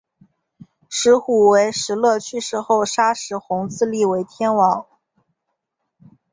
石虎于石勒去世后杀石弘自立为天王。